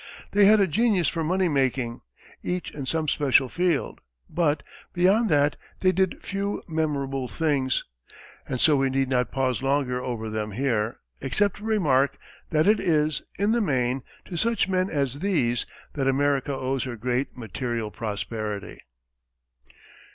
They had a genius for money making. Each in some special field; but, beyond that, they did few memorable things. And so we need not pause longer over them here, except to remark, that it is, in the main, to such men as these, that America owes her great material prosperity.